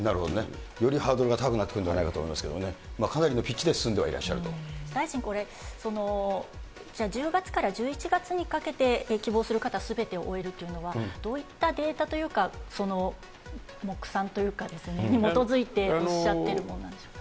よりハードルが高くなってくるんじゃないかと思いますけどね、かなりのピッチで進んではいらっ大臣、これ、じゃあ、１０月から１１月にかけて希望する方、すべてを終えるというのは、どういったデータというか、目算というか、に基づいておっしゃっているものなんでしょうか。